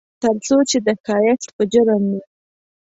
ترڅو چې د ښایست په جرم مې